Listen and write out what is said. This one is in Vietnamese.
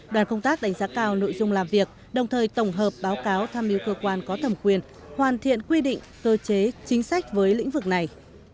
đoàn công tác đánh giá cao nội dung làm việc đồng thời tổng hợp báo cáo tham mưu cơ quan có thẩm quyền hoàn thiện quy định cơ chế chính sách với lĩnh vực này